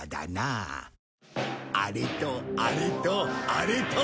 あれとあれとあれと。